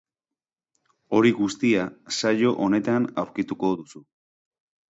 Hori guztia saio honetan aurkituko duzu.